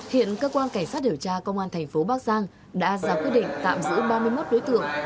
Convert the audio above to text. hiện cơ quan cảnh sát điều tra công an thành phố bắc giang đã ra quyết định tạm giữ ba mươi một đối tượng